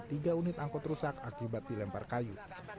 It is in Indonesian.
tiga unit angkot rusak akibat dilempar kayu